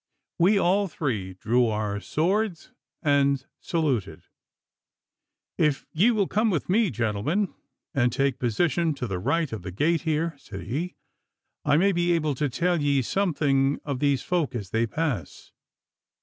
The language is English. We all three drew our swords and saluted. 'If ye will come with me, gentlemen, and take position to the right of the gate here,' said he, 'I may be able to tell ye something of these folk as they pass.